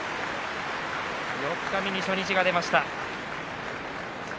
四日目に初日が出ました。